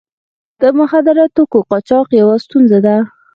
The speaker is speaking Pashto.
د مخدره توکو قاچاق یوه ستونزه ده.